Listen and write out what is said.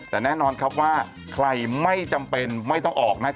แต่แน่นอนครับว่าใครไม่จำเป็นไม่ต้องออก